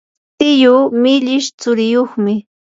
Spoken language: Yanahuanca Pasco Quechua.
tiyuu millish tsurikunayuqmi.